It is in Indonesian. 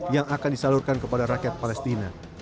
yang akan disalurkan kepada rakyat palestina